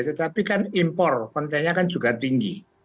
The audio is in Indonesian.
tetapi kan impor kontennya kan juga tinggi